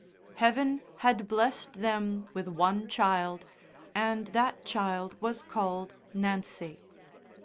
Heaven had blessed them with one child, and that child was called Nancy.